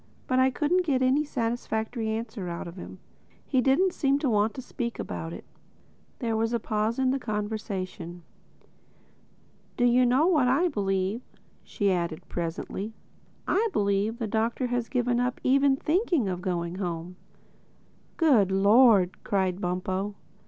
"But I couldn't get any satisfactory answer out of him. He didn't seem to want to speak about it." There was a pause in the conversation. "Do you know what I believe?" she added presently. "I believe the Doctor has given up even thinking of going home." "Good Lord!" cried Bumpo.